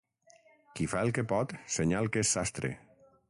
Qui fa el que pot, senyal que és sastre.